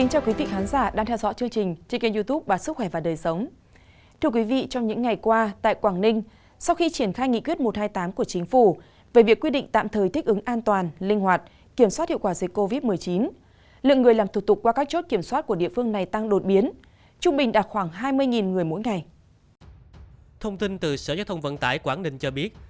hãy đăng ký kênh để ủng hộ kênh của chúng mình nhé